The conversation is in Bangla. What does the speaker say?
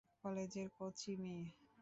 কলেজের কচি মেয়ে।